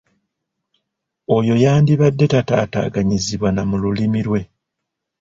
Oyo yandibadde tataataaganyizibwa na mu lulimi lwe.